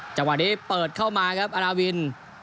จังหวะนี้เปิดเข้ามาครับอาณาวิน